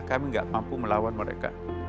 kami tidak mampu melawan mereka